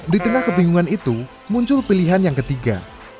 di tengah kebingungan itu muncul pilihan yang ketiga